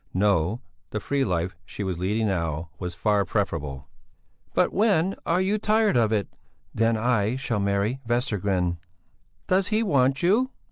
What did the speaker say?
No, the free life she was leading now was far preferable. "But when you are tired of it?" "Then I shall marry Vestergren." "Does he want you?"